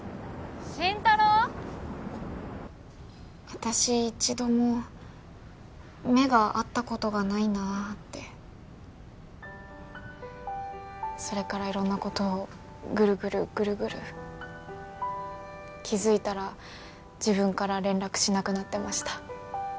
私一度も目が合ったことがないなーってそれから色んなことをぐるぐるぐるぐる気づいたら自分から連絡しなくなってました